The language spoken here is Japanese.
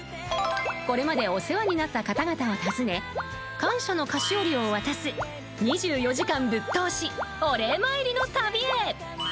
これまでお世話になった方々を訪ね感謝の菓子折りを渡す２４時間ぶっ通しお礼参りの旅へ。